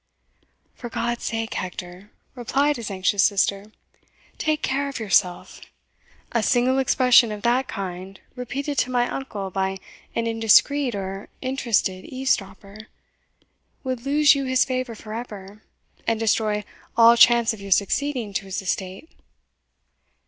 "For God's sake, Hector," replied his anxious sister, "take care of yourself! a single expression of that kind, repeated to my uncle by an indiscreet or interested eavesdropper, would lose you his favour for ever, and destroy all chance of your succeeding to his estate."